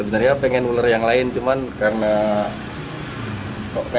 dari keluarga gimana narima juga